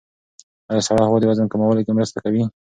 ایا سړه هوا د وزن کمولو کې مرسته کوي؟